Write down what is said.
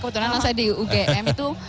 kebetulan saya di ugm itu